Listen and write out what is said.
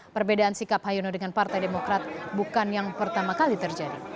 perbedaan sikap hayono dengan partai demokrat bukan yang pertama kali terjadi